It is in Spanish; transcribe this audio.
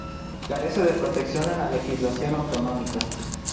Carece de protección en la legislación autonómica.